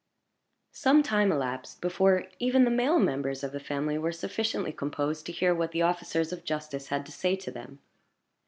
Some time elapsed before even the male members of the family were sufficiently composed to hear what the officers of justice had to say to them.